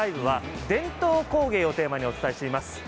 ＬＩＶＥ」は伝統工芸をテーマにお伝えしています。